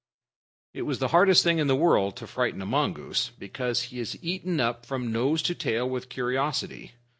It is the hardest thing in the world to frighten a mongoose, because he is eaten up from nose to tail with curiosity.